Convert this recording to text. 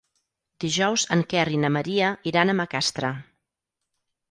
Dijous en Quer i na Maria iran a Macastre.